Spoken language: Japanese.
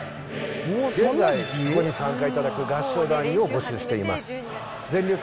現在、ご参加いただく合唱団員を募集しています。